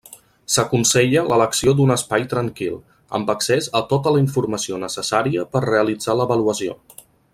S’aconsella l'elecció d’un espai tranquil, amb accés a tota la informació necessària per realitzar l'avaluació.